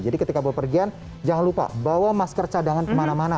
jadi ketika bawa pergian jangan lupa bawa masker cadangan kemana mana